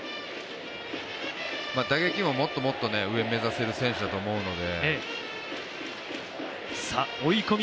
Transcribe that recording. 打撃ももっともっと上を目指せる選手だと思うので。